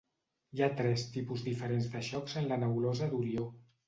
Hi ha tres tipus diferents de xocs en la nebulosa d'Orió.